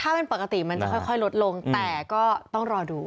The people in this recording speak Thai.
ถ้าเป็นปกติมันจะค่อยลดลงแต่ก็ต้องรอดู